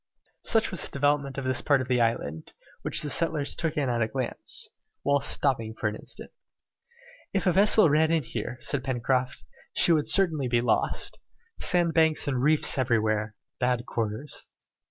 Such was the development of this part of the island, which the settlers took in at a glance, whilst stopping for an instant. "If a vessel ran in here," said Pencroft, "she would certainly be lost. Sandbanks and reefs everywhere! Bad quarters!"